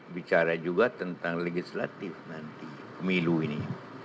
bicara juga tentang legislatif nanti pemilu ini